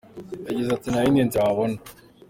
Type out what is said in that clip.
Yagize ati “Nta yindi nzira wabona.